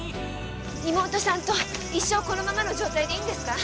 妹さんと一生このままの状態でいいんですか？